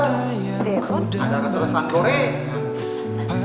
ada keselesaan goreng